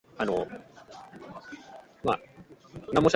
The donation was the largest in the organization's history.